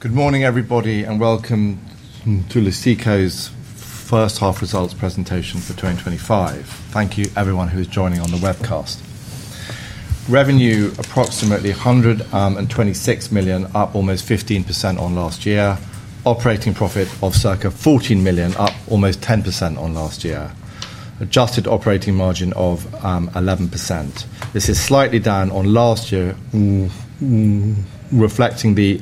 Good morning, everybody, and welcome to Luceco's First Half Results Presentation for 2025. Thank you, everyone who is joining on the webcast. Revenue approximately £126 million, up almost 15% on last year. Operating profit of circa £14 million, up almost 10% on last year. Adjusted operating margin of 11%. This is slightly down on last year, reflecting the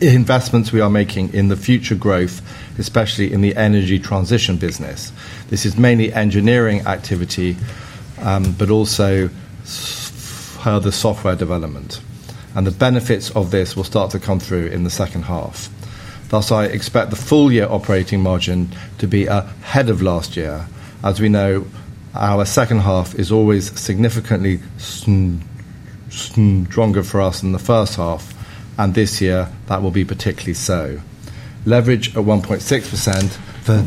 investments we are making in the future growth, especially in the energy transition business. This is mainly engineering activity, but also other software development. The benefits of this will start to come through in the second half. I expect the full year operating margin to be ahead of last year. As we know, our second half is always significantly stronger for us than the first half, and this year that will be particularly so. Leverage at 1.6%,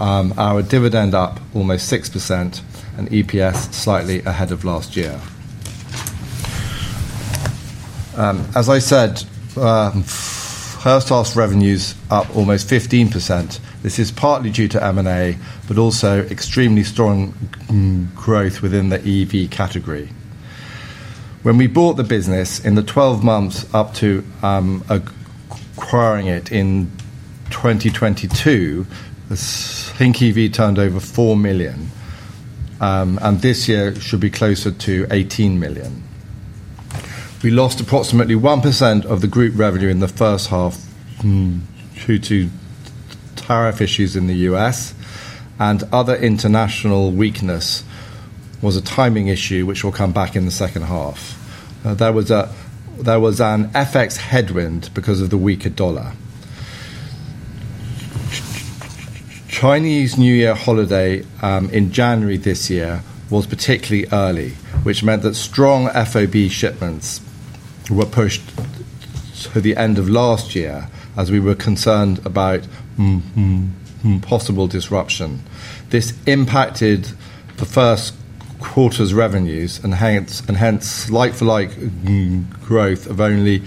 our dividend up almost 6%, and EPS slightly ahead of last year. As I said, first half revenues up almost 15%. This is partly due to M&A, but also extremely strong growth within the EV category. When we bought the business, in the 12 months up to acquiring it in 2022, I think EV turned over £4 million, and this year should be closer to £18 million. We lost approximately 1% of the group revenue in the first half due to tariff issues in the U.S., and other international weakness was a timing issue, which will come back in the second half. There was an FX headwind because of the weaker dollar. Chinese New Year holiday in January this year was particularly early, which meant that strong FOB shipments were pushed to the end of last year as we were concerned about possible disruption. This impacted the first quarter's revenues and hence like-for-like growth of only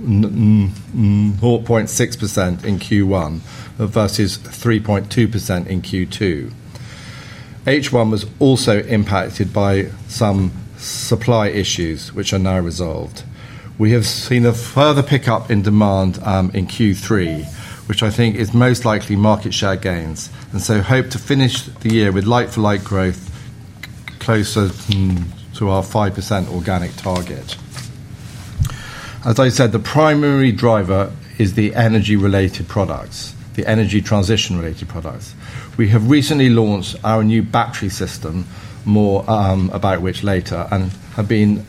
4.6% in Q1 versus 3.2% in Q2. H1 was also impacted by some supply issues, which are now resolved. We have seen a further pickup in demand in Q3, which I think is most likely market share gains, and hope to finish the year with like-for-like growth closer to our 5% organic target. As I said, the primary driver is the energy-related products, the energy transition-related products. We have recently launched our new battery system, more about which later, and have been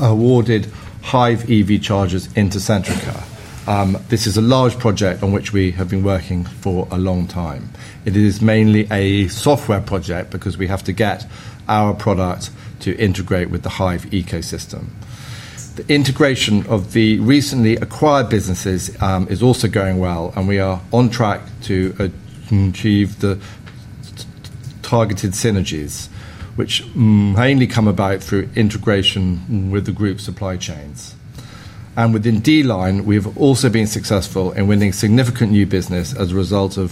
awarded Hive EV chargers into Centrica. This is a large project on which we have been working for a long time. It is mainly a software project because we have to get our product to integrate with the Hive ecosystem. The integration of the recently acquired businesses is also going well, and we are on track to achieve the targeted synergies, which mainly come about through integration with the group supply chains. Within D-Line, we have also been successful in winning significant new business as a result of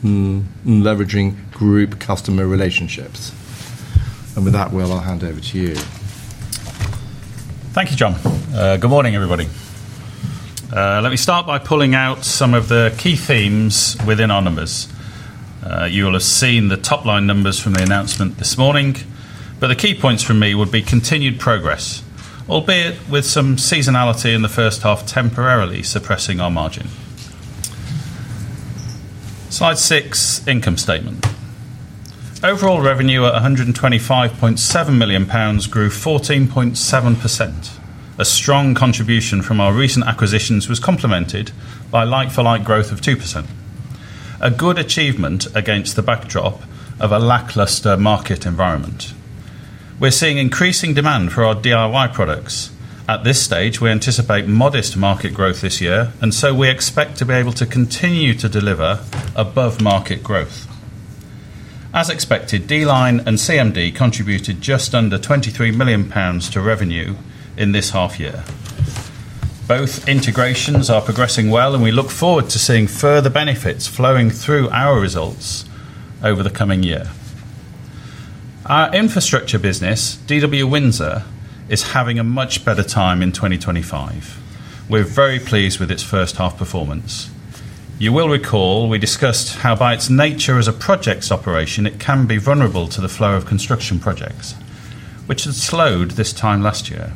leveraging group customer relationships. With that, Will, I'll hand over to you. Thank you, John. Good morning, everybody. Let me start by pulling out some of the key themes within our numbers. You will have seen the top line numbers from the announcement this morning, but the key points for me would be continued progress, albeit with some seasonality in the first half temporarily suppressing our margin. Slide six, income statement. Overall revenue at £125.7 million grew 14.7%. A strong contribution from our recent acquisitions was complemented by a like-for-like growth of 2%. A good achievement against the backdrop of a lackluster market environment. We're seeing increasing demand for our DIY products. At this stage, we anticipate modest market growth this year, and we expect to be able to continue to deliver above market growth. As expected, D-Line and CMD contributed just under £23 million to revenue in this half year. Both integrations are progressing well, and we look forward to seeing further benefits flowing through our results over the coming year. Our infrastructure business, DW Windsor, is having a much better time in 2025. We're very pleased with its first half performance. You will recall we discussed how by its nature as a project's operation, it can be vulnerable to the flow of construction projects, which has slowed this time last year.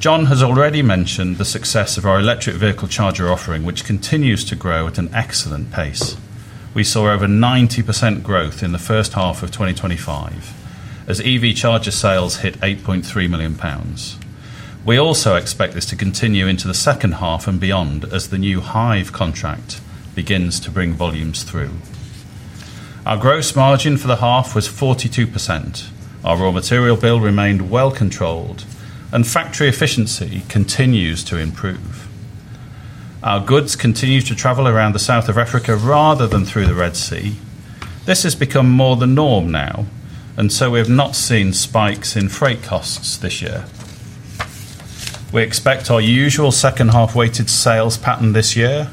John has already mentioned the success of our electric vehicle charger offering, which continues to grow at an excellent pace. We saw over 90% growth in the first half of 2025, as EV charger sales hit £8.3 million. We also expect this to continue into the second half and beyond as the new Hive contract begins to bring volumes through. Our gross margin for the half was 42%. Our raw material bill remained well controlled, and factory efficiency continues to improve. Our goods continue to travel around the south of Africa rather than through the Red Sea. This has become more the norm now, and we have not seen spikes in freight costs this year. We expect our usual second half weighted sales pattern this year,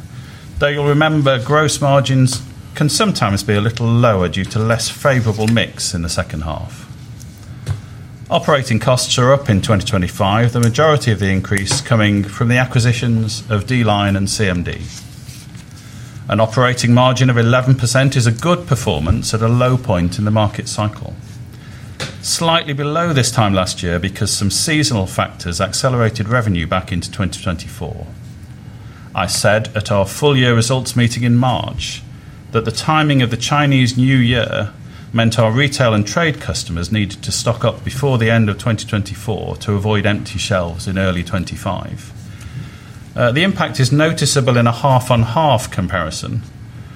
though you'll remember gross margins can sometimes be a little lower due to less favorable mix in the second half. Operating costs are up in 2025, the majority of the increase coming from the acquisitions of D-Line and CMD. An operating margin of 11% is a good performance at a low point in the market cycle. Slightly below this time last year because some seasonal factors accelerated revenue back into 2024. I said at our full year results meeting in March that the timing of the Chinese New Year meant our retail and trade customers needed to stock up before the end of 2024 to avoid empty shelves in early 2025. The impact is noticeable in a half-on-half comparison.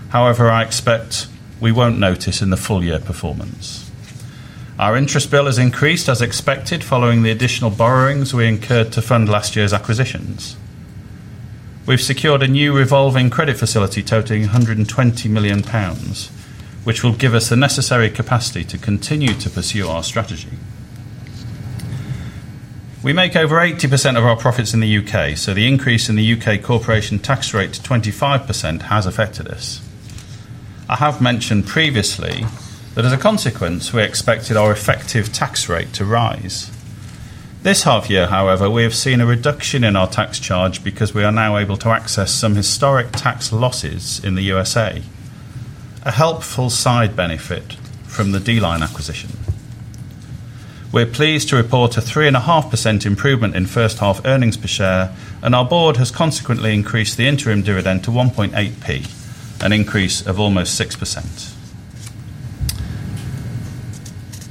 However, I expect we won't notice in the full year performance. Our interest bill has increased as expected following the additional borrowings we incurred to fund last year's acquisitions. We've secured a new revolving credit facility totaling £120 million, which will give us the necessary capacity to continue to pursue our strategy. We make over 80% of our profits in the UK, so the increase in the UK corporation tax rate to 25% has affected us. I have mentioned previously that as a consequence, we expected our effective tax rate to rise. This half year, however, we have seen a reduction in our tax charge because we are now able to access some historic tax losses in the U.S., a helpful side benefit from the D-Line acquisition. We're pleased to report a 3.5% improvement in first half earnings per share, and our board has consequently increased the interim dividend to £0.018, an increase of almost 6%.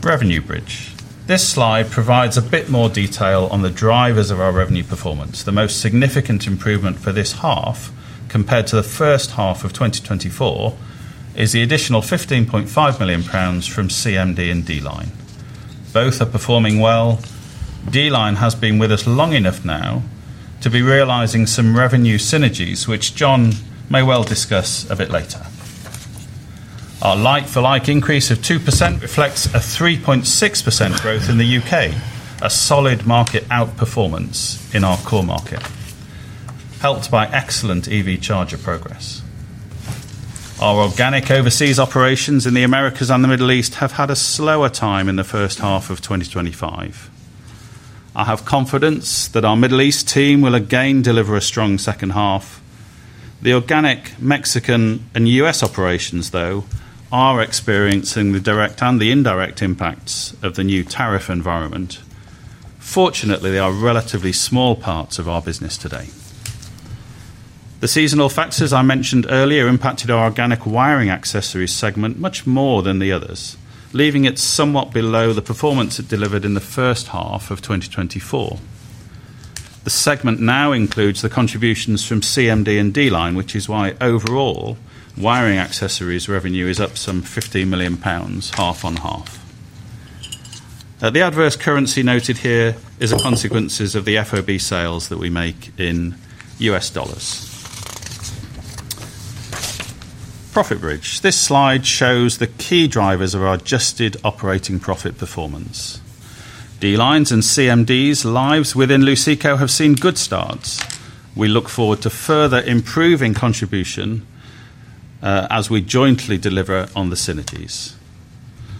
Revenue bridge. This slide provides a bit more detail on the drivers of our revenue performance. The most significant improvement for this half compared to the first half of 2024 is the additional £15.5 million from CMD and D-Line. Both are performing well. D-Line has been with us long enough now to be realizing some revenue synergies, which John may well discuss a bit later. Our like-for-like increase of 2% reflects a 3.6% growth in the UK, a solid market outperformance in our core market, helped by excellent EV charger progress. Our organic overseas operations in the Americas and the Middle East have had a slower time in the first half of 2025. I have confidence that our Middle East team will again deliver a strong second half. The organic Mexican and U.S. operations, though, are experiencing the direct and the indirect impacts of the new tariff environment. Fortunately, they are relatively small parts of our business today. The seasonal factors I mentioned earlier impacted our organic wiring accessories segment much more than the others, leaving it somewhat below the performance it delivered in the first half of 2024. The segment now includes the contributions from CMD and D-Line, which is why overall wiring accessories revenue is up some £15 million half on half. The adverse currency noted here is a consequence of the FOB sales that we make in U.S. dollars. Profit bridge. This slide shows the key drivers of our adjusted operating profit performance. D-Line's and CMD's lives within Luceco have seen good starts. We look forward to further improving contribution as we jointly deliver on the synergies.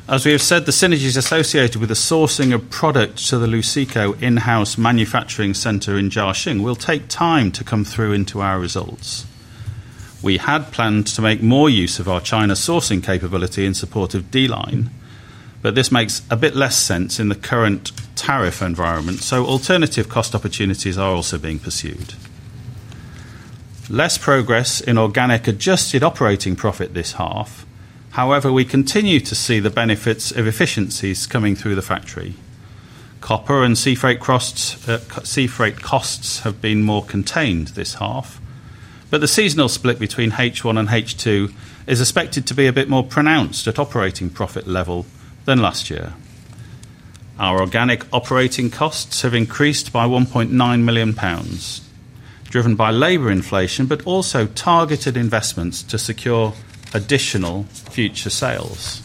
As we have said, the synergies associated with the sourcing of product to the Luceco in-house manufacturing center in Jiaxing will take time to come through into our results. We had planned to make more use of our China sourcing capability in support of D-Line, but this makes a bit less sense in the current tariff environment, so alternative cost opportunities are also being pursued. Less progress in organic adjusted operating profit this half. However, we continue to see the benefits of efficiencies coming through the factory. Copper and seafreight costs have been more contained this half, but the seasonal split between H1 and H2 is expected to be a bit more pronounced at operating profit level than last year. Our organic operating costs have increased by £1.9 million, driven by labor inflation, but also targeted investments to secure additional future sales.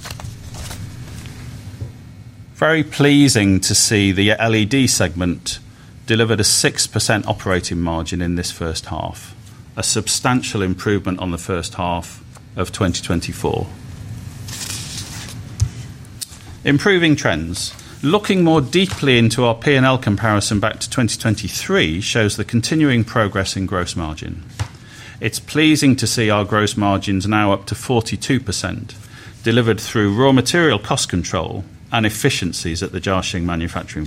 Very pleasing to see the LED segment delivered a 6% operating margin in this first half, a substantial improvement on the first half of 2024. Improving trends. Looking more deeply into our P&L comparison back to 2023 shows the continuing progress in gross margin. It's pleasing to see our gross margins now up to 42%, delivered through raw material cost control and efficiencies at the Jiaxing manufacturing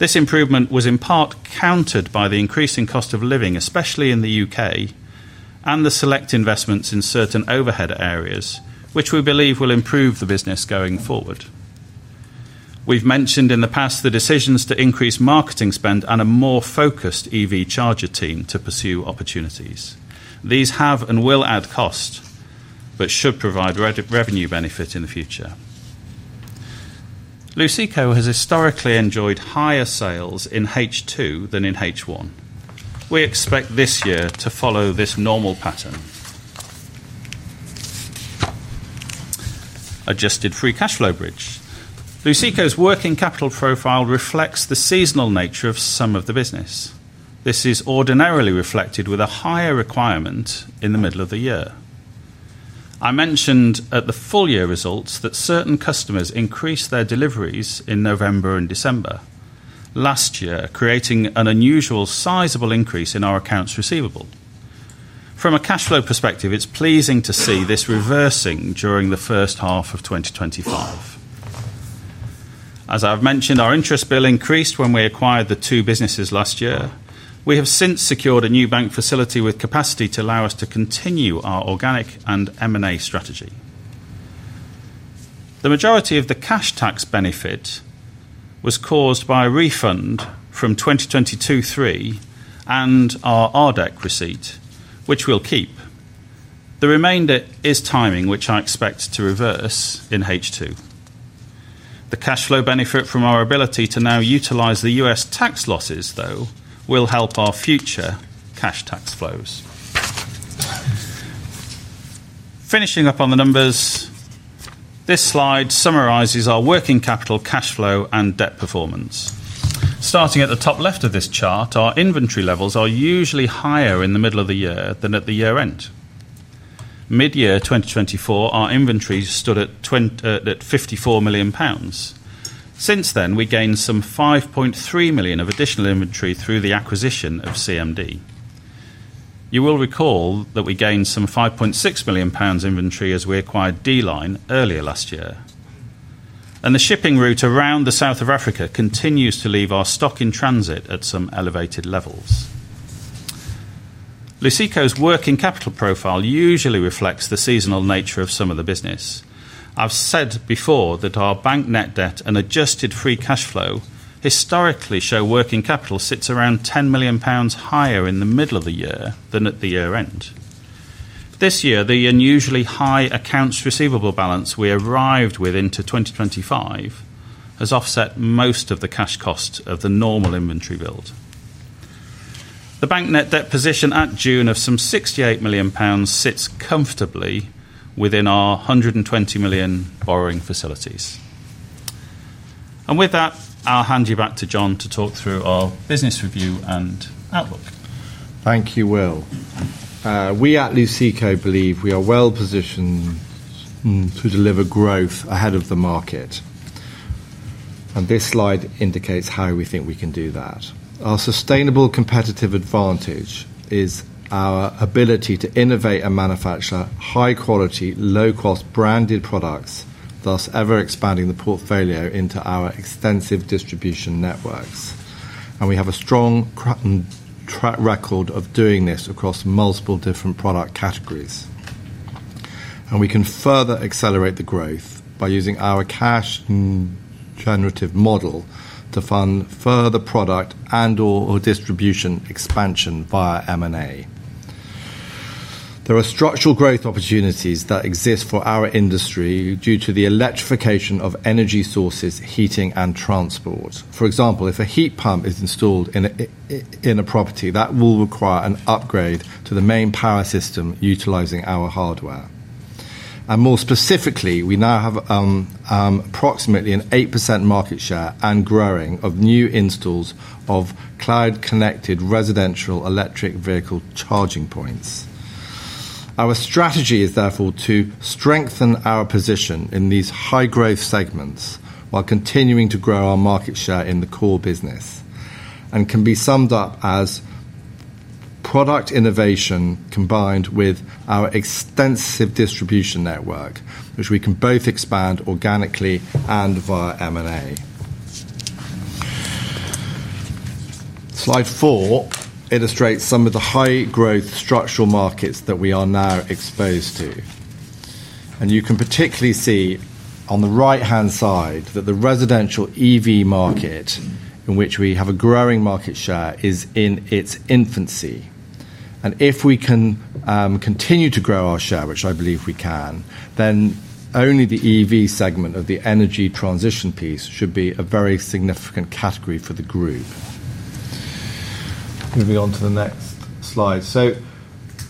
facility. This improvement was in part countered by the increasing cost of living, especially in the UK, and the select investments in certain overhead areas, which we believe will improve the business going forward. We've mentioned in the past the decisions to increase marketing spend and a more focused EV charger team to pursue opportunities. These have and will add cost, but should provide revenue benefit in the future. Luceco has historically enjoyed higher sales in H2 than in H1. We expect this year to follow this normal pattern. Adjusted free cash flow bridge. Luceco's working capital profile reflects the seasonal nature of some of the business. This is ordinarily reflected with a higher requirement in the middle of the year. I mentioned at the full year results that certain customers increase their deliveries in November and December last year, creating an unusual sizable increase in our accounts receivable. From a cash flow perspective, it's pleasing to see this reversing during the first half of 2025. As I've mentioned, our interest bill increased when we acquired the two businesses last year. We have since secured a new bank facility with capacity to allow us to continue our organic and M&A strategy. The majority of the cash tax benefit was caused by a refund from 2022/2023 and our RDEC receipt, which we'll keep. The remainder is timing, which I expect to reverse in H2. The cash flow benefit from our ability to now utilize the U.S. tax losses, though, will help our future cash tax flows. Finishing up on the numbers, this slide summarizes our working capital cash flow and debt performance. Starting at the top left of this chart, our inventory levels are usually higher in the middle of the year than at the year end. Mid-year 2024, our inventories stood at £54 million. Since then, we gained some £5.3 million of additional inventory through the acquisition of CMD. You will recall that we gained some £5.6 million in inventory as we acquired D-Line earlier last year. The shipping route around the south of Africa continues to leave our stock in transit at some elevated levels. Luceco's working capital profile usually reflects the seasonal nature of some of the business. I've said before that our bank net debt and adjusted free cash flow historically show working capital sits around £10 million higher in the middle of the year than at the year end. This year, the unusually high accounts receivable balance we arrived with into 2025 has offset most of the cash cost of the normal inventory build. The bank net debt position at June of some £68 million sits comfortably within our £120 million borrowing facilities. With that, I'll hand you back to John to talk through our business review and outlook. Thank you, Will. We at Luceco believe we are well positioned to deliver growth ahead of the market. This slide indicates how we think we can do that. Our sustainable competitive advantage is our ability to innovate and manufacture high-quality, low-cost branded products, thus ever expanding the portfolio into our extensive distribution networks. We have a strong track record of doing this across multiple different product categories. We can further accelerate the growth by using our cash-generative model to fund further product and/or distribution expansion via M&A. There are structural growth opportunities that exist for our industry due to the electrification of energy sources, heating, and transport. For example, if a heat pump is installed in a property, that will require an upgrade to the main power system utilizing our hardware. More specifically, we now have approximately an 8% market share and growing of new installs of cloud-connected residential electric vehicle charging points. Our strategy is therefore to strengthen our position in these high-growth segments while continuing to grow our market share in the core business. It can be summed up as product innovation combined with our extensive distribution network, which we can both expand organically and via M&A. Slide four illustrates some of the high-growth structural markets that we are now exposed to. You can particularly see on the right-hand side that the residential EV market, in which we have a growing market share, is in its infancy. If we can continue to grow our share, which I believe we can, then only the EV segment of the energy transition piece should be a very significant category for the group. Moving on to the next slide.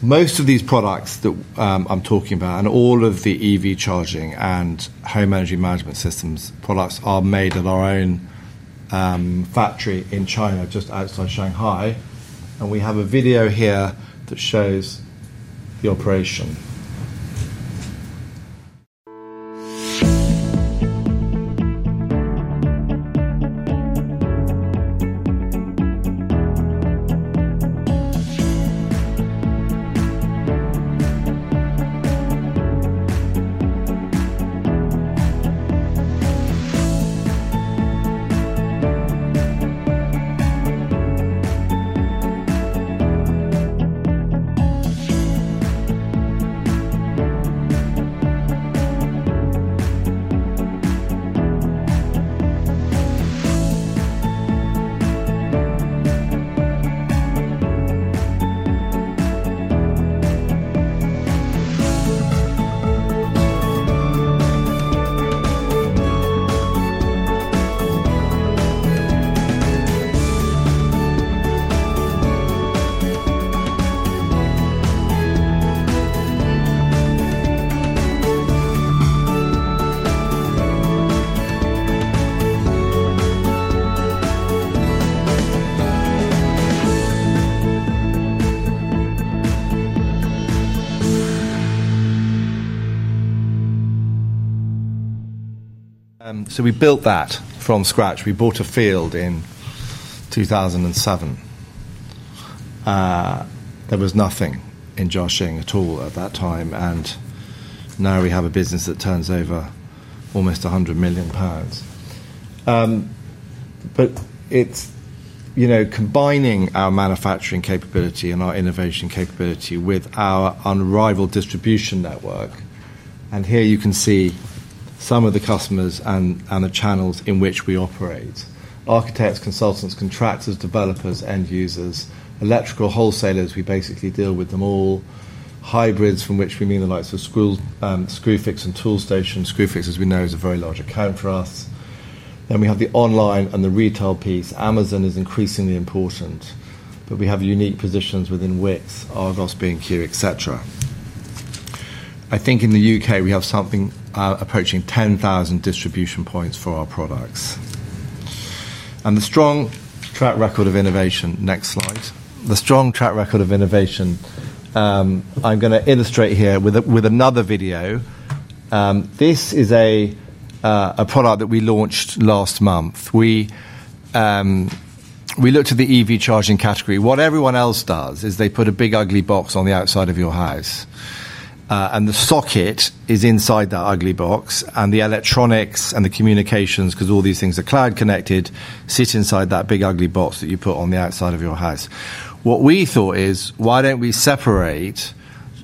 Most of these products that I'm talking about, and all of the EV charging and home energy management systems products, are made at our own factory in China, just outside Shanghai. We have a video here that shows the operation. We built that from scratch. We bought a field in 2007. There was nothing in Jiaxing at all at that time, and now we have a business that turns over almost £100 million. It's combining our manufacturing capability and our innovation capability with our unrivaled distribution network. Here you can see some of the customers and the channels in which we operate: architects, consultants, contractors, developers, end users, electrical wholesalers. We basically deal with them all. Hybrids, from which we mean the likes of Screwfix and Toolstation. Screwfix, we know, is a very large account for us, and we have the online and the retail piece. Amazon is increasingly important, but we have unique positions within Wickes, our Corsby & Q, etc. I think in the UK we have something approaching 10,000 distribution points for our products. The strong track record of innovation, next slide, the strong track record of innovation, I'm going to illustrate here with another video. This is a product that we launched last month. We looked at the EV charging category. What everyone else does is they put a big ugly box on the outside of your house. The socket is inside that ugly box, and the electronics and the communications, because all these things are cloud connected, sit inside that big ugly box that you put on the outside of your house. What we thought is, why don't we separate,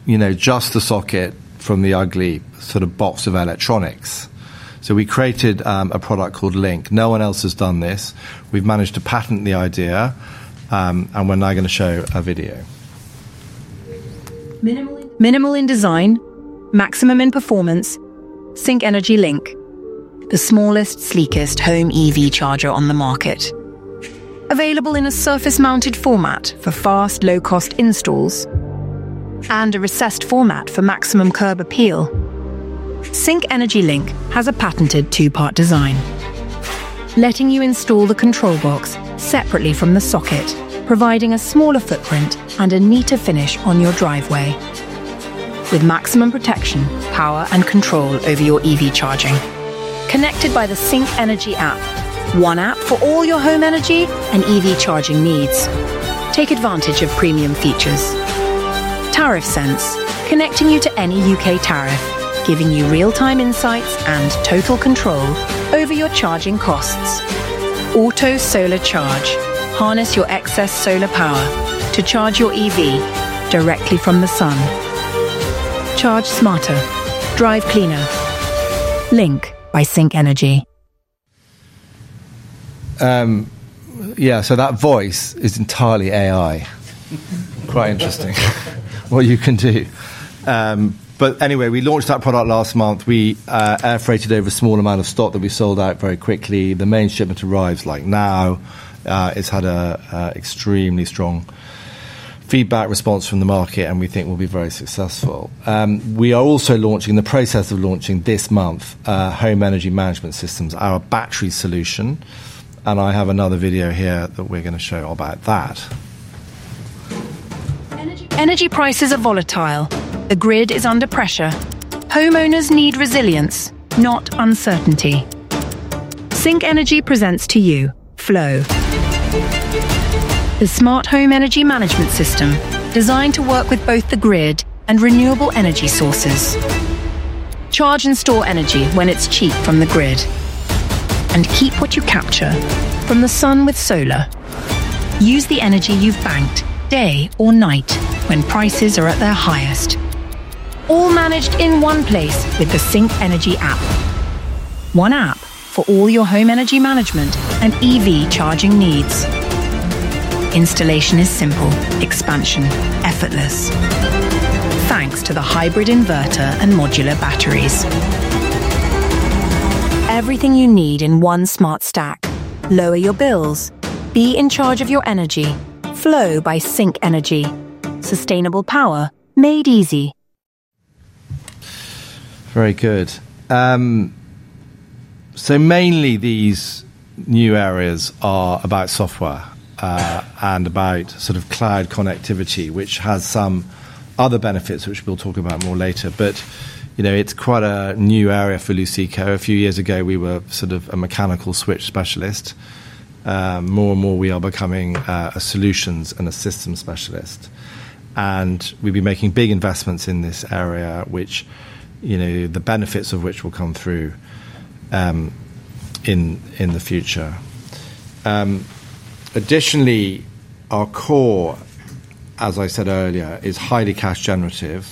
you know, just the socket from the ugly sort of box of electronics? We created a product called Link. No one else has done this. We've managed to patent the idea, and we're now going to show a video. Minimal in design, maximum in performance, Sync Energy Link. The smallest, sleekest home EV charger on the market. Available in a surface-mounted format for fast, low-cost installs, planned a recessed format for maximum curb appeal. Sync Energy Link has a patented two-part design, letting you install the control box separately from the socket, providing a smaller footprint and a neater finish on your driveway. With maximum protection, power, and control over your EV charging. Connected by the Sync Energy app, one app for all your home energy and EV charging needs. Take advantage of premium features. Tariff Sense, connecting you to any UK tariff, giving you real-time insights and total control over your charging costs. Auto Solar Charge, harness your excess solar power to charge your EV directly from the sun. Charge smarter, drive cleaner. Link by Sync Energy. Yeah, so that voice is entirely AI. Quite interesting what you can do. Anyway, we launched that product last month. We air freighted over a small amount of stock that we sold out very quickly. The main shipment arrives now. It's had an extremely strong feedback response from the market, and we think we'll be very successful. We are also launching, the process of launching this month, Home Energy Management Systems, our battery solution. I have another video here that we're going to show about that. Energy prices are volatile. The grid is under pressure. Homeowners need resilience, not uncertainty. Sync Energy presents to you, Flow. The smart home energy management system designed to work with both the grid and renewable energy sources. Charge and store energy when it's cheap from the grid, and keep what you capture from the sun with solar. Use the energy you've banked day or night when prices are at their highest. All managed in one place with the Sync Energy app. One app for all your home energy management and EV charging needs. Installation is simple, expansion effortless, thanks to the hybrid inverter and modular batteries. Everything you need in one smart stack. Lower your bills. Be in charge of your energy. Flow by Sync Energy. Sustainable power made easy. Very good. Mainly these new areas are about software and about sort of cloud connectivity, which has some other benefits, which we'll talk about more later. It's quite a new area for Luceco. A few years ago, we were sort of a mechanical switch specialist. More and more, we are becoming a solutions and a system specialist. We've been making big investments in this area, the benefits of which will come through in the future. Additionally, our core, as I said earlier, is highly cash generative.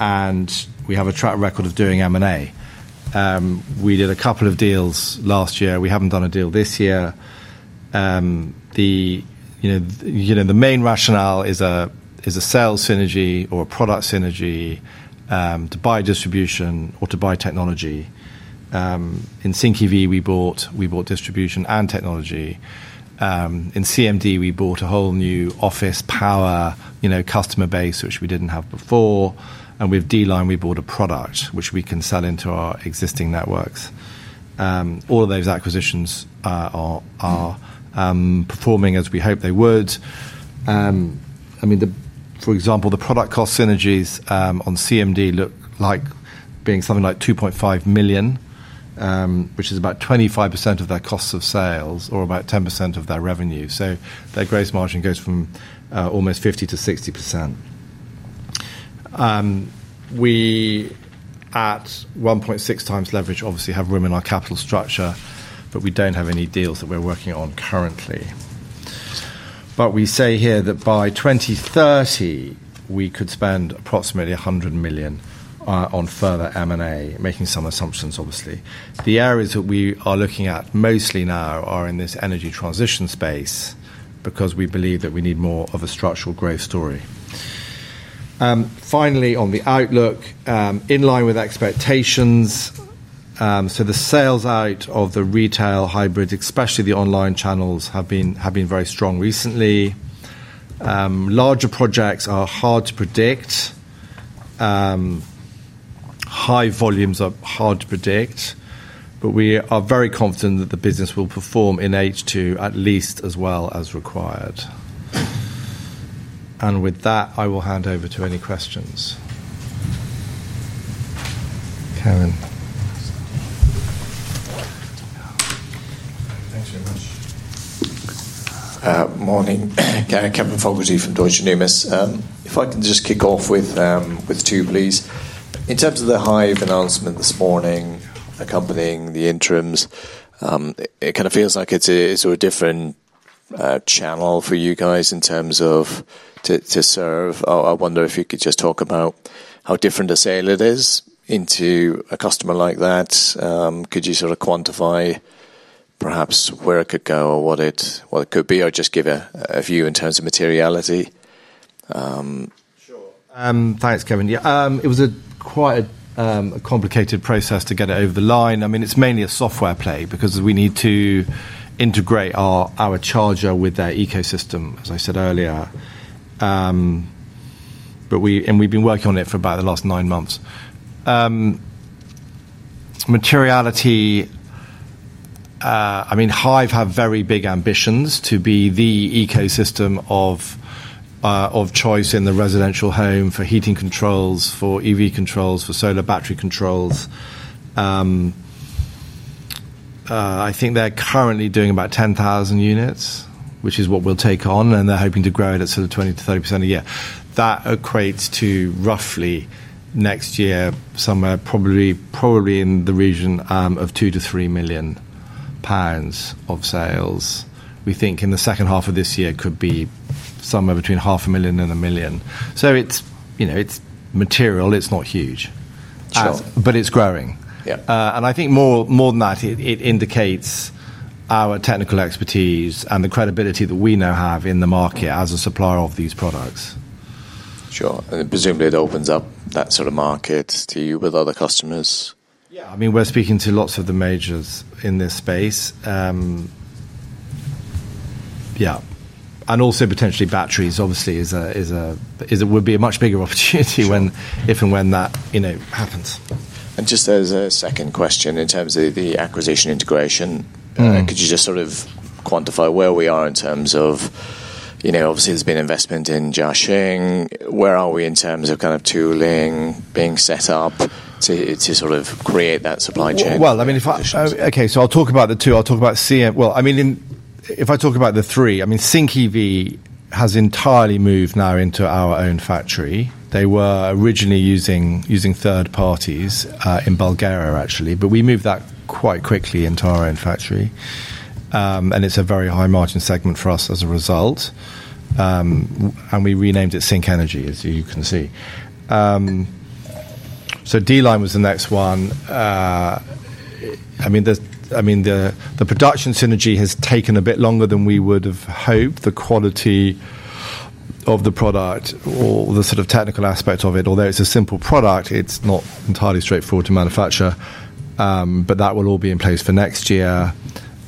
We have a track record of doing M&A. We did a couple of deals last year. We haven't done a deal this year. The main rationale is a sales synergy or a product synergy to buy distribution or to buy technology. In Sync Energy, we bought distribution and technology. In CMD, we bought a whole new office power customer base, which we didn't have before. With D-Line, we bought a product which we can sell into our existing networks. All of those acquisitions are performing as we hope they would. For example, the product cost synergies on CMD look like being something like £2.5 million, which is about 25% of their cost of sales or about 10% of their revenue. Their gross margin goes from almost 50%-60%. We at 1.6x leverage obviously have room in our capital structure, but we don't have any deals that we're working on currently. We say here that by 2030, we could spend approximately £100 million on further M&A, making some assumptions, obviously. The areas that we are looking at mostly now are in this energy transition space because we believe that we need more of a structural growth story. Finally, on the outlook, in line with expectations, the sales out of the retail hybrids, especially the online channels, have been very strong recently. Larger projects are hard to predict. High volumes are hard to predict. We are very confident that the business will perform in H2 at least as well as required. With that, I will hand over to any questions. Kevin. Thanks very much. Morning. Kevin Fogarty from Deutsche Numis. If I can just kick off with two, please. In terms of the Hive announcement this morning, accompanying the interims, it kind of feels like it's a different channel for you guys in terms of to serve. I wonder if you could just talk about how different a sale it is into a customer like that. Could you sort of quantify perhaps where it could go or what it could be, or just give a view in terms of materiality? Thanks, Kevin. Yeah, it was quite a complicated process to get it over the line. I mean, it's mainly a software play because we need to integrate our charger with that ecosystem, as I said earlier. We've been working on it for about the last nine months. Materiality. I mean, Hive have very big ambitions to be the ecosystem of choice in the residential home for heating controls, for EV controls, for solar battery controls. I think they're currently doing about 10,000 units, which is what we'll take on, and they're hoping to grow it at sort of 20%-30% a year. That equates to roughly next year, somewhere probably in the region of £2 million-£3 million of sales. We think in the second half of this year it could be somewhere between £0.5 million and £1 million. It's material, it's not huge, but it's growing. I think more than that, it indicates our technical expertise and the credibility that we now have in the market as a supplier of these products. Sure. It opens up that sort of market to you with other customers. Yeah, we're speaking to lots of the majors in this space. Also, potentially batteries obviously would be a much bigger opportunity if and when that happens. Just as a second question, in terms of the acquisition integration, could you quantify where we are in terms of, you know, obviously there's been investment in Jiaxing? Where are we in terms of tooling being set up to sort of create that supply chain? If I talk about the three, Sync EV has entirely moved now into our own factory. They were originally using third parties in Bulgaria, actually, but we moved that quite quickly into our own factory. It's a very high margin segment for us as a result. We renamed it Sync Energy, as you can see. D-Line was the next one. The production synergy has taken a bit longer than we would have hoped. The quality of the product or the sort of technical aspect of it, although it's a simple product, it's not entirely straightforward to manufacture. That will all be in place for next year.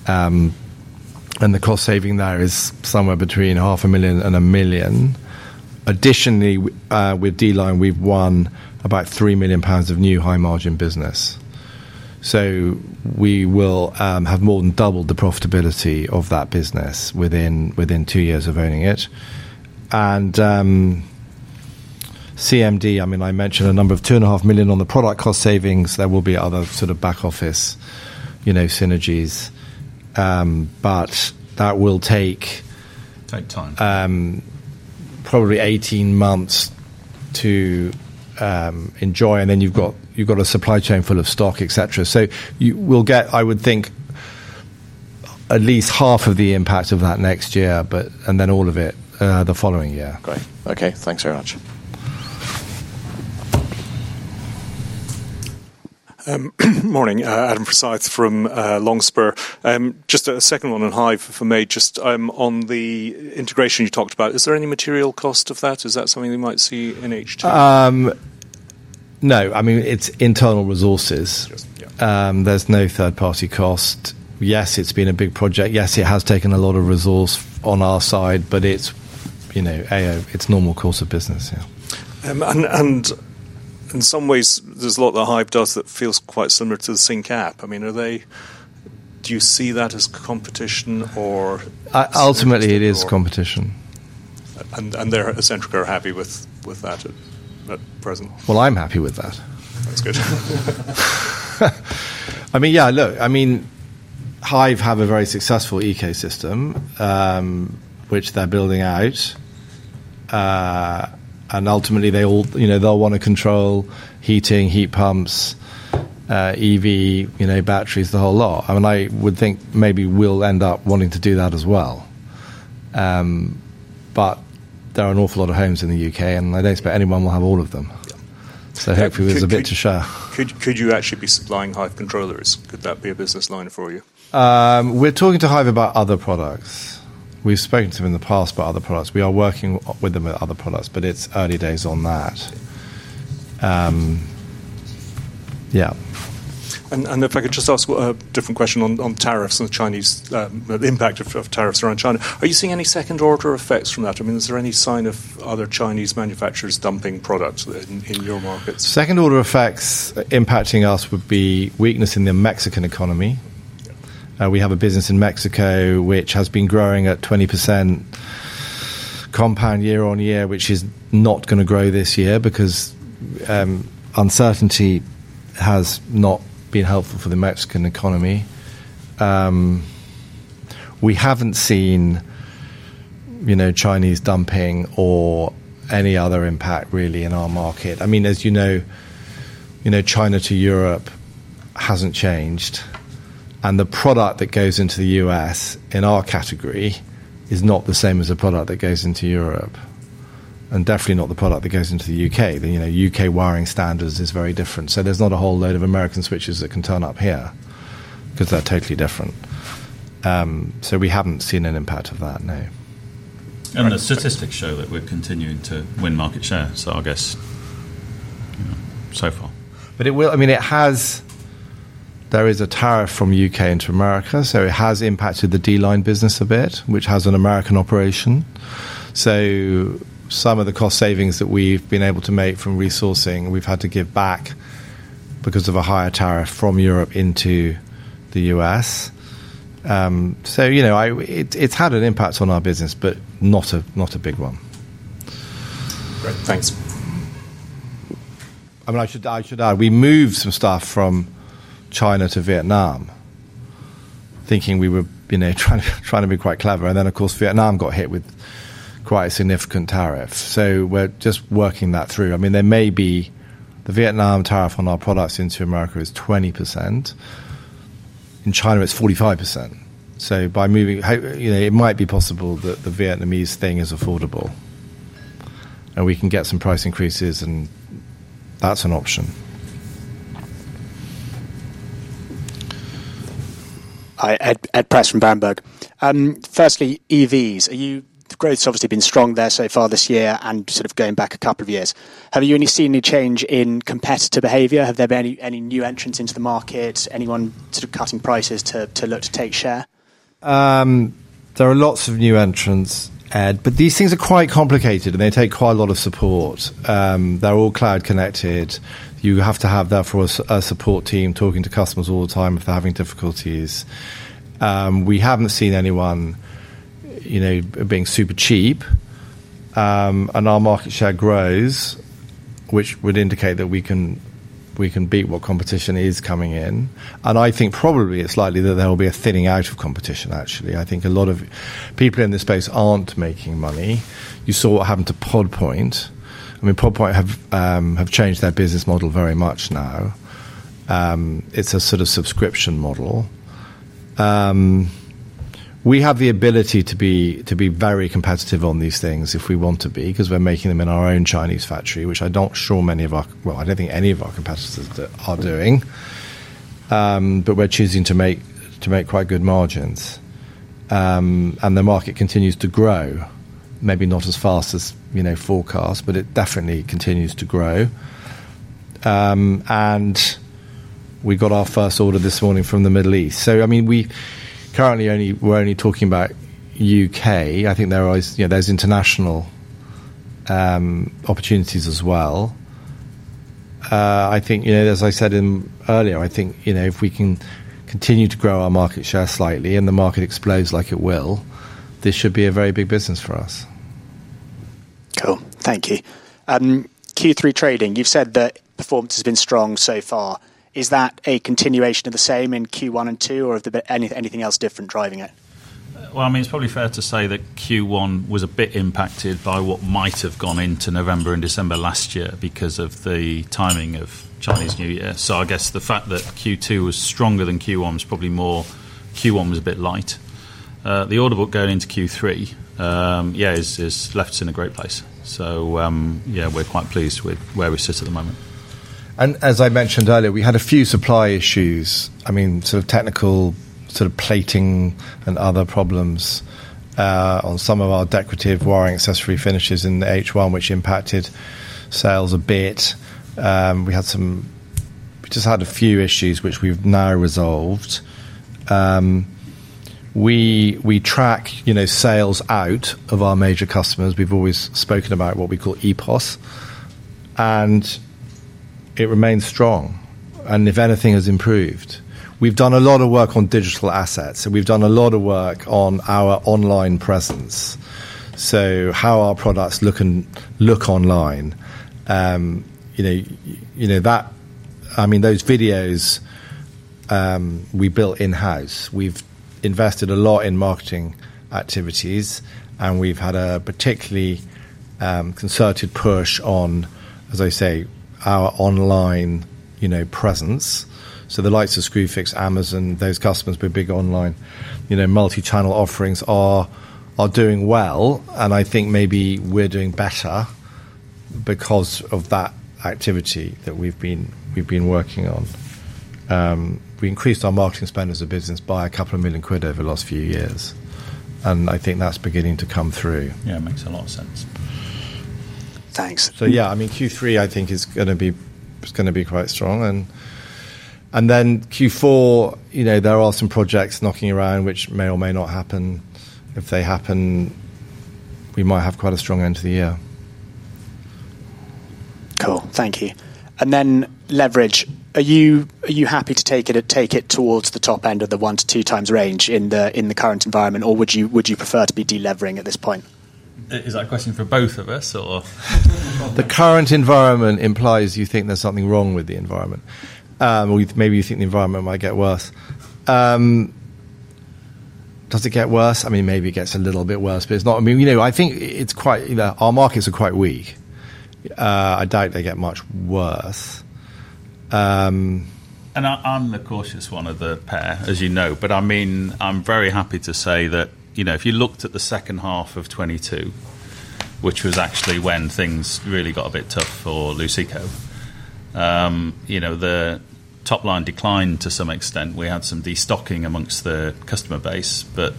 The cost saving there is somewhere between £0.5 million and £1 million. Additionally, with D-Line, we've won about £3 million of new high margin business. We will have more than doubled the profitability of that business within two years of owning it. CMD, I mentioned a number of £2.5 million on the product cost savings. There will be other sort of back office synergies. That will take probably 18 months to enjoy. You've got a supply chain full of stock, etc. We'll get, I would think, at least half of the impact of that next year, but then all of it the following year. Great. Okay, thanks very much. Morning. Adam Forsyth from Longspur. Just a second one on Hive for me. Just on the integration you talked about, is there any material cost of that? Is that something we might see in H2? No, I mean, it's internal resources. There's no third party cost. Yes, it's been a big project. Yes, it has taken a lot of resource on our side, but it's a normal course of business. Yeah. There is a lot that Hive does that feels quite similar to the Sync app. Do you see that as competition or? Ultimately, it is competition. Are they essentially happy with that at present? I'm happy with that. That's good. Yeah, look, Hive have a very successful ecosystem, which they're building out. Ultimately, they all, you know, they'll want to control heating, heat pumps, EV, you know, batteries, the whole lot. I would think maybe we'll end up wanting to do that as well. There are an awful lot of homes in the UK, and I don't expect anyone will have all of them. Hopefully, there's a bit to share. Could you actually be supplying Hive controllers? Could that be a business line for you? We're talking to Hive about other products. We've spoken to them in the past about other products. We are working with them with other products, but it's early days on that. Yeah. If I could just ask a different question on tariffs and the Chinese impact of tariffs around China, are you seeing any second order effects from that? I mean, is there any sign of other Chinese manufacturers dumping products in your markets? Second order effects impacting us would be weakness in the Mexican economy. We have a business in Mexico which has been growing at 20% compound year on year, which is not going to grow this year because uncertainty has not been helpful for the Mexican economy. We haven't seen Chinese dumping or any other impact really in our market. China to Europe hasn't changed. The product that goes into the U.S. in our category is not the same as the product that goes into Europe, and definitely not the product that goes into the UK. The UK wiring standards are very different. There's not a whole load of American switches that can turn up here because they're totally different. We haven't seen an impact of that, no. The statistics show that we're continuing to win market share. I guess, you know, so far. It will, I mean, it has, there is a tariff from the UK into America. It has impacted the D-Line business a bit, which has an American operation. Some of the cost savings that we've been able to make from resourcing, we've had to give back because of a higher tariff from Europe into the U.S. It's had an impact on our business, but not a big one. Great. Thanks. I should add, we moved some stuff from China to Vietnam, thinking we were, you know, trying to be quite clever. Of course, Vietnam got hit with quite a significant tariff. We're just working that through. There may be the Vietnam tariff on our products into America is 20%. In China, it's 45%. By moving, it might be possible that the Vietnamese thing is affordable. We can get some price increases, and that's an option. Ed Press from Bamberg. Firstly, EVs. The growth's obviously been strong there so far this year and sort of going back a couple of years. Have you seen a change in competitor behavior? Have there been any new entrants into the market? Anyone cutting prices to look to take share? There are lots of new entrants, Ed, but these things are quite complicated, and they take quite a lot of support. They're all cloud-connected. You have to have, therefore, a support team talking to customers all the time if they're having difficulties. We haven't seen anyone, you know, being super cheap. Our market share grows, which would indicate that we can beat what competition is coming in. I think probably it's likely that there will be a thinning out of competition, actually. I think a lot of people in this space aren't making money. You saw what happened to Pod Point. I mean, Pod Point have changed their business model very much now. It's a sort of subscription model. We have the ability to be very competitive on these things if we want to be because we're making them in our own Chinese factory, which I don't think any of our competitors are doing. We're choosing to make quite good margins. The market continues to grow, maybe not as fast as, you know, forecast, but it definitely continues to grow. We got our first order this morning from the Middle East. I mean, we currently only, we're only talking about the UK. I think there are always, yeah, there's international opportunities as well. I think, you know, as I said earlier, I think, you know, if we can continue to grow our market share slightly and the market explodes like it will, this should be a very big business for us. Thank you. Q3 trading, you've said that performance has been strong so far. Is that a continuation of the same in Q1 and Q2, or is there anything else different driving it? It's probably fair to say that Q1 was a bit impacted by what might have gone into November and December last year because of the timing of Chinese New Year. The fact that Q2 was stronger than Q1 is probably more, Q1 was a bit light. The order book going into Q3 has left us in a great place. We're quite pleased with where we sit at the moment. As I mentioned earlier, we had a few supply issues, sort of technical plating and other problems on some of our decorative wiring accessory finishes in H1, which impacted sales a bit. We just had a few issues, which we've now resolved. We track sales out of our major customers. We've always spoken about what we call EPOS, and it remains strong. If anything has improved, we've done a lot of work on digital assets, and we've done a lot of work on our online presence. How our products look online, those videos we built in-house. We've invested a lot in marketing activities, and we've had a particularly concerted push on our online presence. The likes of Screwfix, Amazon, those customers with big online multi-channel offerings are doing well. I think maybe we're doing better because of that activity that we've been working on. We increased our marketing spend as a business by a couple of million pounds over the last few years. I think that's beginning to come through. Yeah, it makes a lot of sense. Thanks. I mean, Q3, I think, is going to be quite strong. Q4, you know, there are some projects knocking around, which may or may not happen. If they happen, we might have quite a strong end to the year. Thank you. Leverage, are you happy to take it towards the top end of the one to two times range in the current environment, or would you prefer to be delevering at this point? Is that a question for both of us? The current environment implies you think there's something wrong with the environment. Maybe you think the environment might get worse. Does it get worse? I mean, maybe it gets a little bit worse, but it's not, I mean, our markets are quite weak. I doubt they get much worse. I'm the cautious one of the pair, as you know, but I mean, I'm very happy to say that, you know, if you looked at the second half of 2022, which was actually when things really got a bit tough for Luceco, the top line declined to some extent. We had some destocking amongst the customer base, but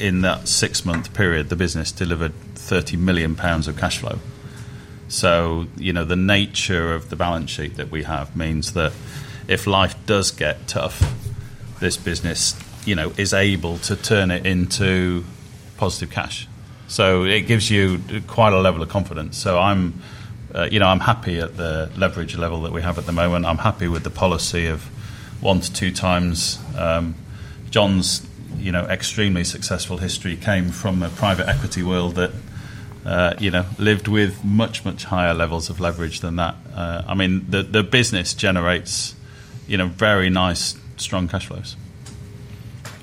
in that six-month period, the business delivered £30 million of cash flow. The nature of the balance sheet that we have means that if life does get tough, this business is able to turn it into positive cash. It gives you quite a level of confidence. I'm happy at the leverage level that we have at the moment. I'm happy with the policy of one to two times. John's extremely successful history came from a private equity world that lived with much, much higher levels of leverage than that. I mean, the business generates very nice, strong cash flows.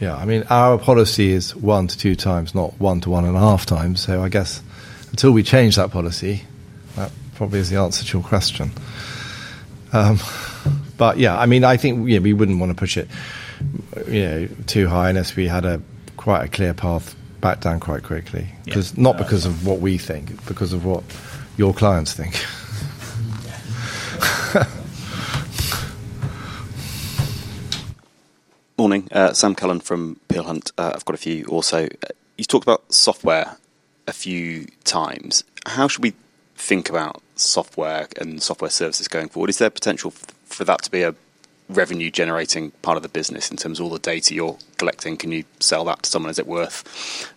Yeah, I mean, our policy is 1x-2x, not 1x-1.5x. I guess until we change that policy, that probably is the answer to your question. I think we wouldn't want to push it too high unless we had quite a clear path back down quite quickly, not because of what we think, because of what your clients think. Morning. Sam Cullen from Peel Hunt. I've got a few also. You talked about software a few times. How should we think about software and software services going forward? Is there potential for that to be a revenue-generating part of the business in terms of all the data you're collecting? Can you sell that to someone? Is it worth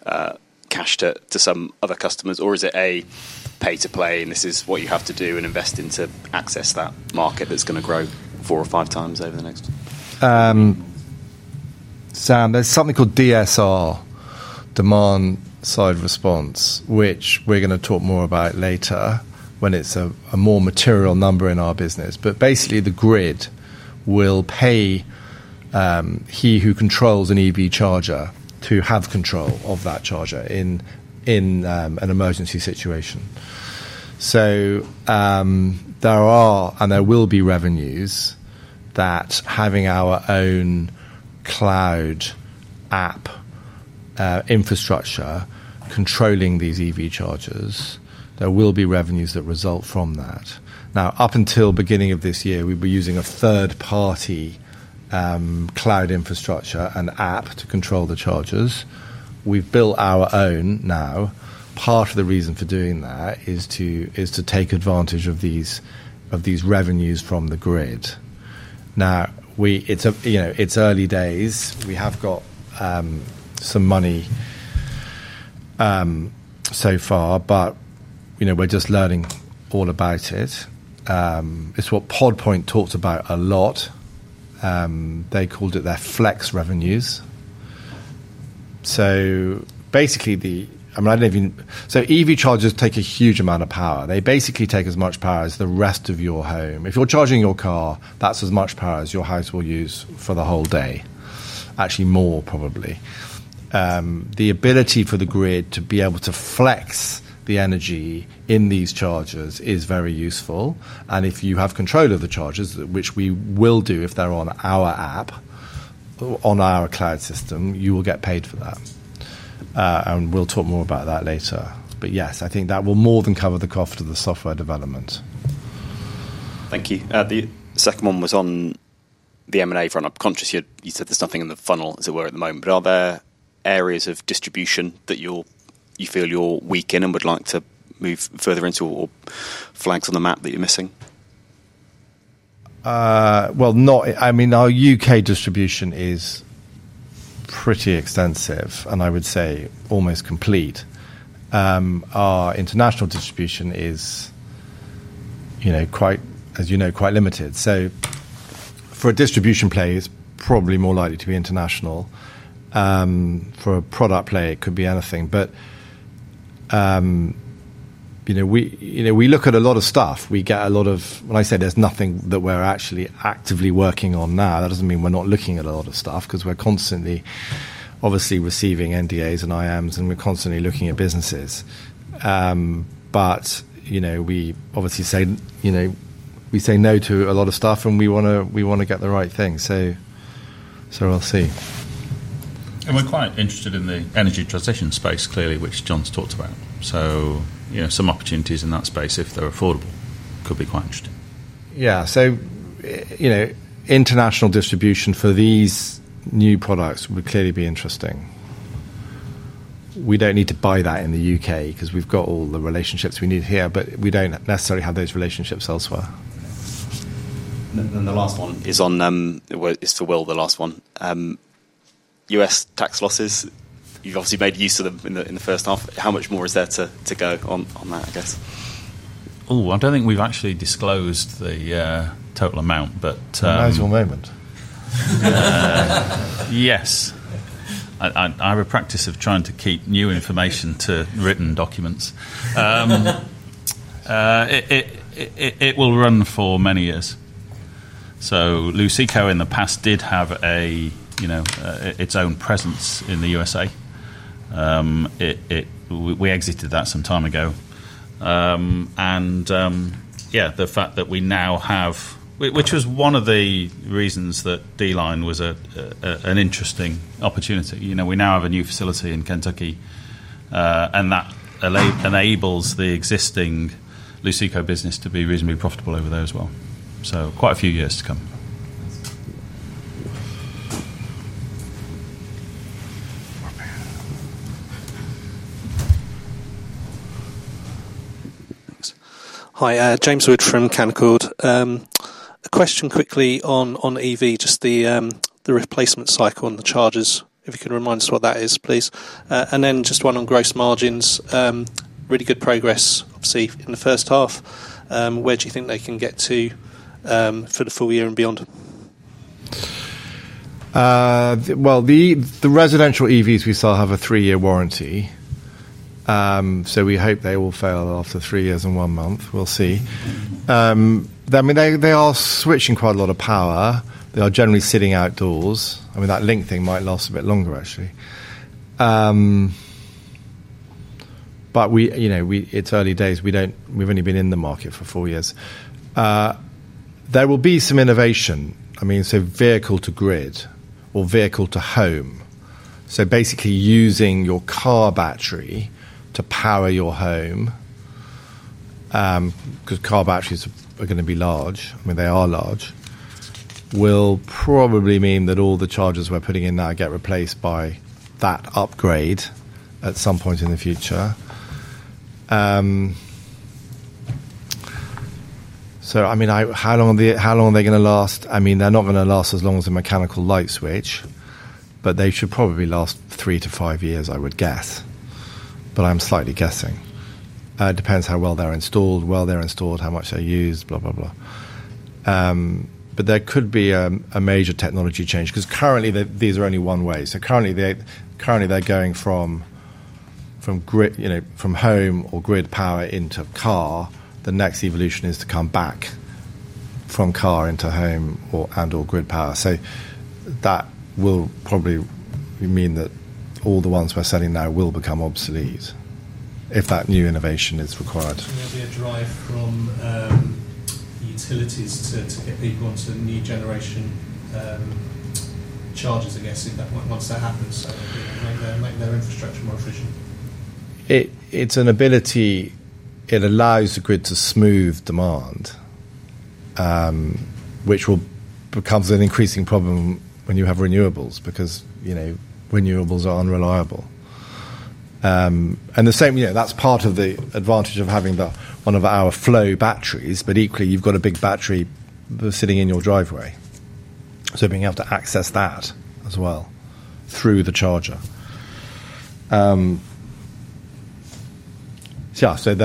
cash to some other customers, or is it a pay-to-play, and this is what you have to do and invest in to access that market that's going to grow 4x or 5x over the next? Sam, there's something called DSR, demand side response, which we're going to talk more about later when it's a more material number in our business. Basically, the grid will pay he who controls an EV charger to have control of that charger in an emergency situation. There are, and there will be, revenues that having our own cloud app infrastructure controlling these EV chargers, there will be revenues that result from that. Up until the beginning of this year, we were using a third-party cloud infrastructure and app to control the chargers. We've built our own now. Part of the reason for doing that is to take advantage of these revenues from the grid. It's early days. We have got some money so far, but you know, we're just learning all about it. It's what Pod Point talked about a lot. They called it their flex revenues. I mean, I don't know if you know, EV chargers take a huge amount of power. They basically take as much power as the rest of your home. If you're charging your car, that's as much power as your house will use for the whole day. Actually, more probably. The ability for the grid to be able to flex the energy in these chargers is very useful. If you have control of the chargers, which we will do if they're on our app, on our cloud system, you will get paid for that. We'll talk more about that later. I think that will more than cover the cost of the software development. Thank you. The second one was on the M&A front. I'm conscious you said there's nothing in the funnel at the moment. Are there areas of distribution that you feel you're weak in and would like to move further into or flanks on the map that you're missing? Our UK distribution is pretty extensive, and I would say almost complete. Our international distribution is, you know, quite, as you know, quite limited. For a distribution play, it's probably more likely to be international. For a product play, it could be anything. We look at a lot of stuff. We get a lot of, when I say there's nothing that we're actually actively working on now, that doesn't mean we're not looking at a lot of stuff because we're constantly, obviously, receiving NDAs and IAMs, and we're constantly looking at businesses. We obviously say, you know, we say no to a lot of stuff, and we want to get the right thing. We'll see. We're quite interested in the energy transition space, clearly, which John's talked about. Some opportunities in that space, if they're affordable, could be quite interesting. Yeah, you know, international distribution for these new products would clearly be interesting. We don't need to buy that in the UK because we've got all the relationships we need here, but we don't necessarily have those relationships elsewhere. The last one is to Will, the last one. U.S. tax losses. You've obviously made use of them in the first half. How much more is there to go on that, I guess? I don't think we've actually disclosed the total amount. The magical moment. Yes. I have a practice of trying to keep new information to written documents. It will run for many years. Luceco in the past did have its own presence in the U.S. We exited that some time ago. The fact that we now have, which was one of the reasons that D-Line was an interesting opportunity, a new facility in Kentucky enables the existing Luceco business to be reasonably profitable over there as well. Quite a few years to come. Hi, James Wood from Canaccord. A question quickly on EV, just the replacement cycle and the chargers. If you could remind us what that is, please. Just one on gross margins. Really good progress, obviously, in the first half. Where do you think they can get to for the full year and beyond? The residential EVs we saw have a three-year warranty. We hope they all fail after three years and one month. We'll see. They are switching quite a lot of power. They are generally sitting outdoors. That Link thing might last a bit longer, actually. It's early days. We've only been in the market for four years. There will be some innovation, like vehicle to grid or vehicle to home. Basically, using your car battery to power your home, because car batteries are going to be large. They are large. That will probably mean that all the chargers we're putting in now get replaced by that upgrade at some point in the future. How long are they going to last? They're not going to last as long as a mechanical light switch, but they should probably last 3 years-5 years, I would guess. I'm slightly guessing. It depends how well they're installed, where they're installed, how much they're used, blah, blah, blah. There could be a major technology change because currently these are only one way. Currently they're going from home or grid power into car. The next evolution is to come back from car into home and/or grid power. That will probably mean that all the ones we're selling now will become obsolete if that new innovation is required. The drive from utilities to get people onto new generation chargers, I guess, if that's what wants to happen. It's an ability that allows the grid to smooth demand, which becomes an increasing problem when you have renewables because, you know, renewables are unreliable. That's part of the advantage of having one of our Flow home energy management system batteries, but equally you've got a big battery sitting in your driveway. Being able to access that as well through the charger, there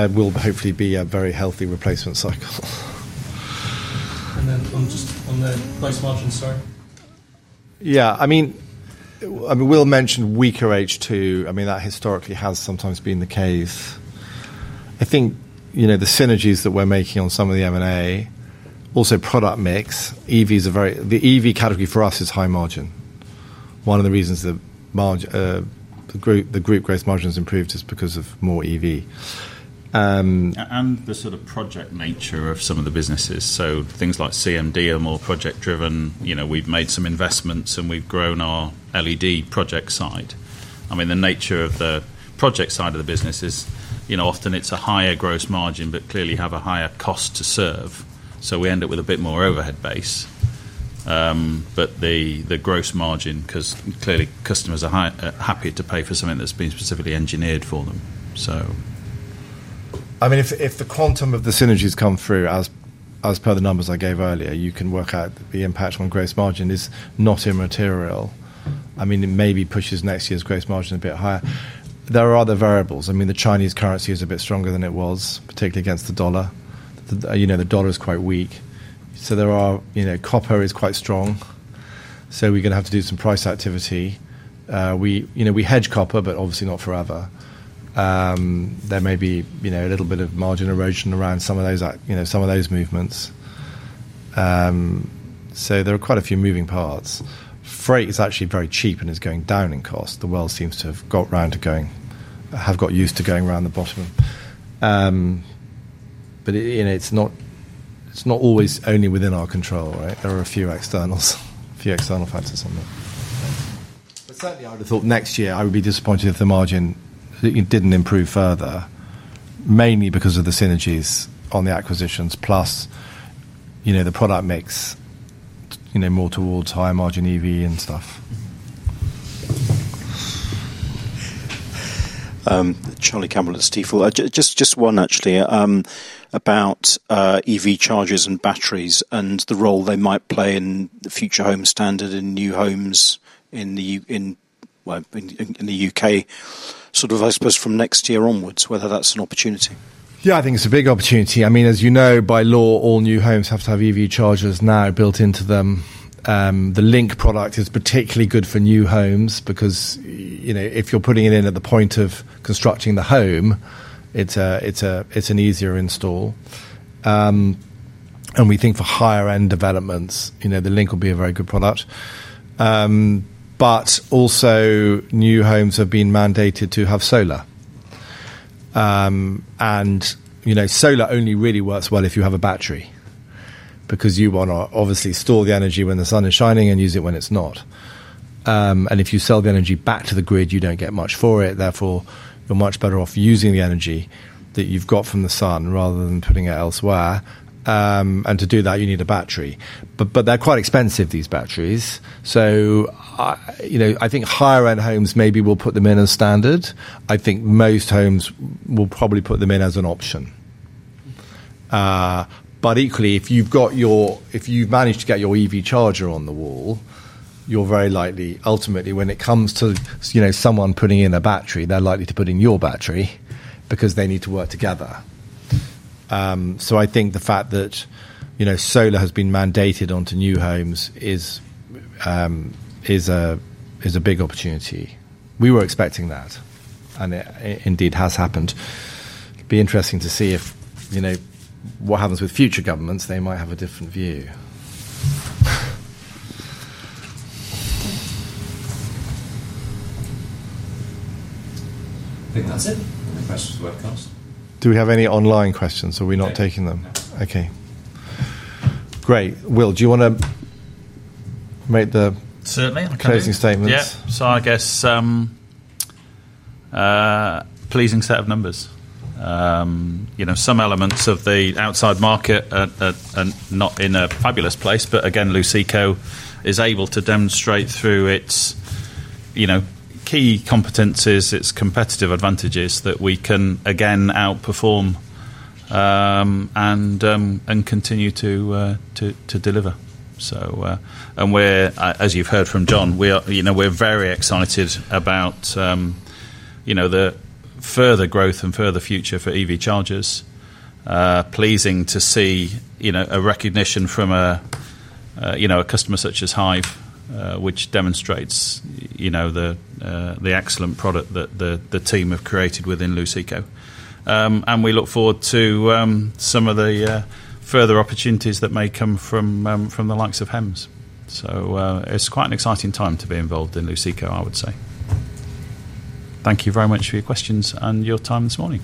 will hopefully be a very healthy replacement cycle. On just the base margins, sorry. Yeah, we'll mention weaker H2. That historically has sometimes been the case. I think the synergies that we're making on some of the M&A, also product mix, EVs are very, the EV category for us is high margin. One of the reasons the margin, the group gross margin has improved is because of more EV. The sort of project nature of some of the businesses, things like CMD are more project-driven. We've made some investments and we've grown our LED project side. The nature of the project side of the business is, often it's a higher gross margin, but clearly has a higher cost to serve. We end up with a bit more overhead base. The gross margin, because clearly customers are happy to pay for something that's been specifically engineered for them. If the quantum of the synergies come through, as per the numbers I gave earlier, you can work out that the impact on gross margin is not immaterial. It maybe pushes next year's gross margin a bit higher. There are other variables. The Chinese currency is a bit stronger than it was, particularly against the dollar. The dollar is quite weak. Copper is quite strong. We're going to have to do some price activity. We hedge copper, but obviously not forever. There may be a little bit of margin erosion around some of those movements. There are quite a few moving parts. Freight is actually very cheap and is going down in cost. The world seems to have got used to going around the bottom. It's not always only within our control. There are a few externals, a few external factors on that. I would have thought next year I would be disappointed if the margin didn't improve further, mainly because of the synergies on the acquisitions, plus, you know, the product mix, you know, more towards higher margin EV and stuff. Charlie Cameron at Stifel. Just one, actually, about EV chargers and batteries and the role they might play in the future home standard and new homes in the UK. I suppose from next year onwards, whether that's an opportunity. Yeah, I think it's a big opportunity. I mean, as you know, by law, all new homes have to have EV chargers now built into them. The Link product is particularly good for new homes because, you know, if you're putting it in at the point of constructing the home, it's an easier install. We think for higher-end developments, you know, the Link will be a very good product. Also, new homes have been mandated to have solar. Solar only really works well if you have a battery because you want to obviously store the energy when the sun is shining and use it when it's not. If you sell the energy back to the grid, you don't get much for it. Therefore, you're much better off using the energy that you've got from the sun rather than putting it elsewhere. To do that, you need a battery. They're quite expensive, these batteries. I think higher-end homes maybe will put them in as standard. I think most homes will probably put them in as an option. Equally, if you've managed to get your EV charger on the wall, you're very likely, ultimately, when it comes to someone putting in a battery, they're likely to put in your battery because they need to work together. I think the fact that solar has been mandated onto new homes is a big opportunity. We were expecting that, and it indeed has happened. It'd be interesting to see if, you know, what happens with future governments, they might have a different view. It does. Questions for the webcast. Do we have any online questions? Are we not taking them? Okay. Great. Will, do you want to make the closing statements? Yeah. I guess, pleasing set of numbers. Some elements of the outside market are not in a fabulous place, but again, Luceco is able to demonstrate through its key competencies, its competitive advantages that we can again outperform and continue to deliver. As you've heard from John, we are very excited about the further growth and further future for EV chargers. Pleasing to see a recognition from a customer such as Hive, which demonstrates the excellent product that the team have created within Luceco. We look forward to some of the further opportunities that may come from the likes of Hems. It's quite an exciting time to be involved in Luceco, I would say. Thank you very much for your questions and your time this morning.